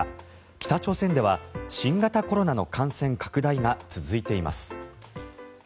北朝鮮では新型コロナの感染拡大が続いています。